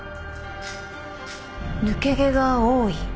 抜け毛が多い。